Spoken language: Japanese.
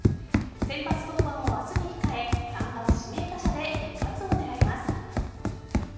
先発登板を明日に控え３番・指名打者で一発を狙います。